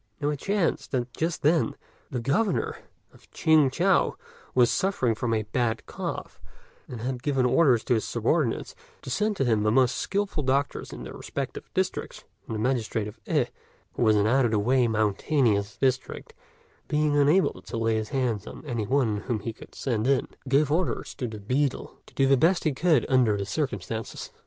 Now it chanced that just then the Governor of Ch'ing chou was suffering from a bad cough, and had given orders to his subordinates to send to him the most skilful doctors in their respective districts; and the magistrate of I, which was an out of the way mountainous district, being unable to lay his hands on any one whom he could send in, gave orders to the beadle to do the best he could under the circumstances.